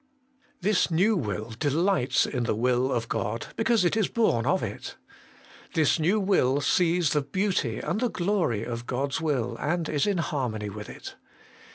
This new will delights in the will of God, because it is born of it. This new will sees the beauty and the glory of God's will, and is in harmony with it.